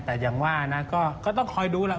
แต่อย่างว่านะก็ต้องคอยดูแล้ว